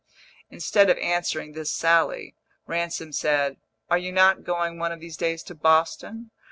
Instead of answering this sally, Ransom said, "Are you not going one of these days to Boston?